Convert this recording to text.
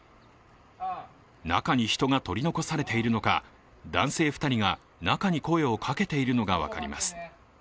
中に人が取り残されているのか男性２人が中に声をかけているのが分かります。